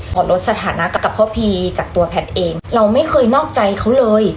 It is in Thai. ลดสถานะกับพ่อพีจากตัวแพทย์เองเราไม่เคยนอกใจเขาเลย